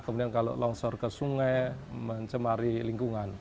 kemudian kalau longsor ke sungai mencemari lingkungan